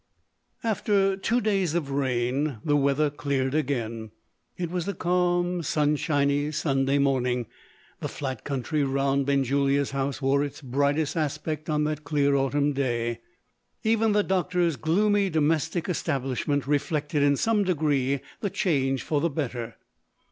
After two days of rain, the weather cleared again. It was a calm, sunshiny Sunday morning. The flat country round Benjulia's house wore its brightest aspect on that clear autumn day. Even the doctor's gloomy domestic establishment reflected in some degree the change for the better.